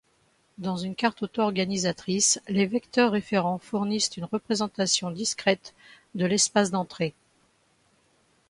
Dans une carte auto-organisatrice, les vecteurs référents fournissent une représentation discrète de l'espace d'entrée.